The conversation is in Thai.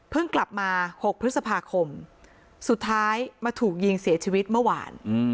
กลับมา๖พฤษภาคมสุดท้ายมาถูกยิงเสียชีวิตเมื่อวาน